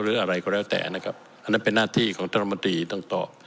หรืออะไรก็แล้วแต่นะครับอันนั้นเป็นหน้าที่ของธรรมดีต่อต่อ